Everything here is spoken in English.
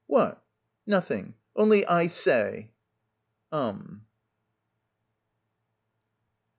"What?" "Nothing, only I say" "Urn."